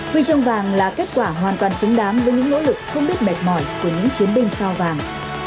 huy chương vàng là kết quả hoàn toàn xứng đáng với những nỗ lực không biết mệt mỏi của những chiến binh sao vàng